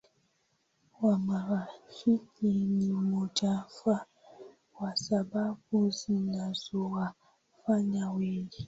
wa marafiki ni mojawapo ya sababu zinazowafanya wengi